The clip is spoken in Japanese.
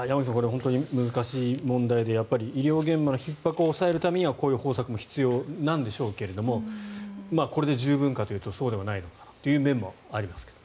本当に難しい問題で医療現場のひっ迫を抑えるためにはこうした方策も必要なんでしょうけどこれで十分かというとそうではないという面もありますが。